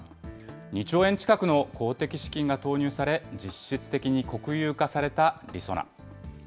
２兆円近くの公的資金が投入され、実質的に国有化されたりそな。